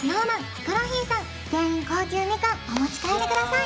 ヒコロヒーさん全員高級みかんお持ち帰りください